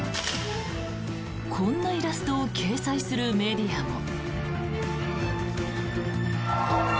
こんなイラストを掲載するメディアも。